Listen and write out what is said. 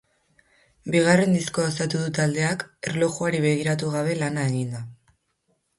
Bigarren diskoa osatu du taldeak, erlojuari begiratu gabe lana eginda.